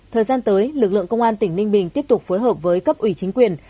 thời gian tới lực lượng công an tỉnh ninh bình tiếp tục phối hợp với cấp ủy chính quyền